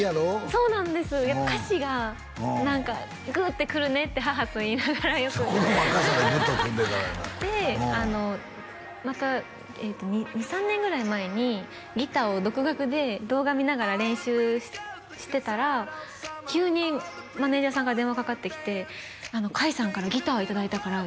そうなんですやっぱ歌詞が何かグッてくるねって母と言いながらよくこの若さでグッとくんのやからやなでまたえっと２３年ぐらい前にギターを独学で動画見ながら練習してたら急にマネージャーさんから電話かかってきて「甲斐さんからギターいただいたから」